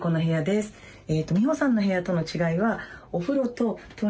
美穂さんの部屋との違いは。